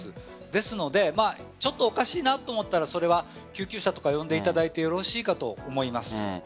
ですのでちょっとおかしいなと思ったら救急車とかを呼んでいただいてよろしいかと思います。